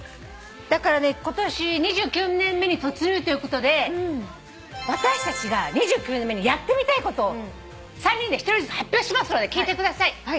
だからね今年２９年目に突入ということで私たちが２９年目にやってみたいことを３人で１人ずつ発表しますので聞いてください。